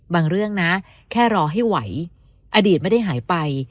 เรื่องนะแค่รอให้ไหวอดีตไม่ได้หายไป